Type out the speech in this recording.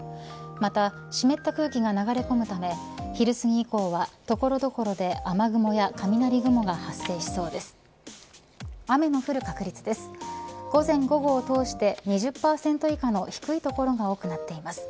また、湿った空気が流れ込むため昼すぎ以降は所々で雨雲や雷雲が発生しそうです。